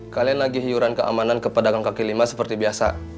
kalian lagi hiyuran keamanan kepada kang kaki lima seperti biasa